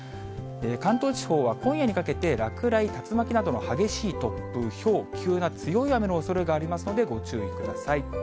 関東地方は今夜にかけて、落雷、竜巻などの激しい突風、ひょう、急な強い雨のおそれがありますので、ご注意ください。